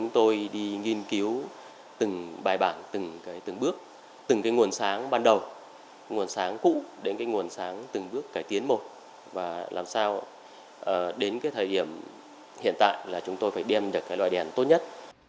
từng bài bảng từng bước từng cái nguồn sáng ban đầu nguồn sáng cũ đến cái nguồn sáng từng bước cải tiến một và làm sao đến cái thời điểm hiện tại là chúng tôi phải đem được cái loại đèn tốt nhất